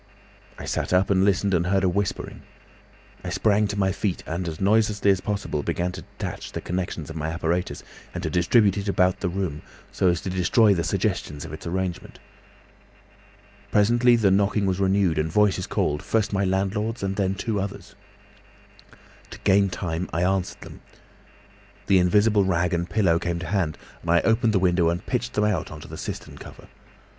I sat up and listened and heard a whispering. I sprang to my feet and as noiselessly as possible began to detach the connections of my apparatus, and to distribute it about the room, so as to destroy the suggestions of its arrangement. Presently the knocking was renewed and voices called, first my landlord's, and then two others. To gain time I answered them. The invisible rag and pillow came to hand and I opened the window and pitched them out on to the cistern cover.